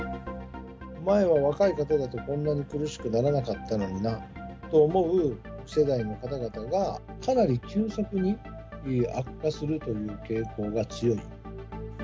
前は若い方だとこんなに苦しくならなかったのになと思う世代の方々が、かなり急速に悪化するという傾向が強い。